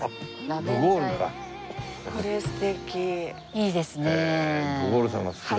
いいですね。